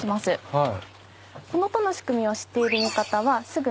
はい。